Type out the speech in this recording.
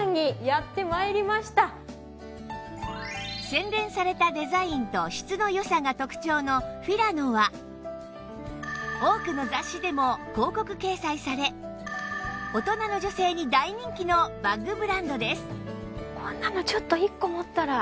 洗練されたデザインと質の良さが特長の ＦＩＲＡＮＯ は多くの雑誌でも広告掲載され大人の女性に大人気のバッグブランドです